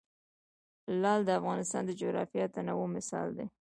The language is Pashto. لعل د افغانستان د جغرافیوي تنوع مثال دی.